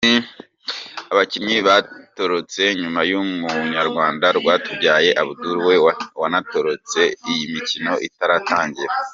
Aba bakinnyi batorotse nyuma y’umunyarwanda Rwatubyaye Abdoul we wanatorotse iyi mikino itaratangira.